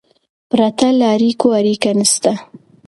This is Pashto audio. پرته له اړیکو، اړیکه نسته.